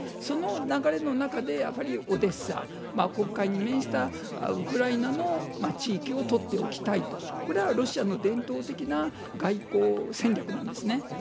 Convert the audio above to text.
その流れの中で、やはりオデッサ、黒海に面したウクライナの地域を取っておきたいと、これはロシアの伝統的な外交戦略なんですね。